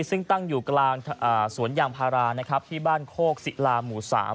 ซึ่งตั้งอยู่กลางสวนยางพารานะครับที่บ้านโคกศิลาหมู่๓